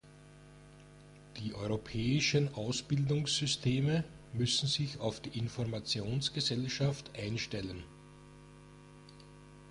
Die Europäischen Ausbildungssysteme müssen sich auf die Informationsgesellschaft einstellen.